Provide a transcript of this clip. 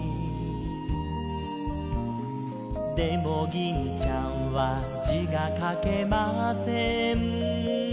「でも銀ちゃんは字が書けません」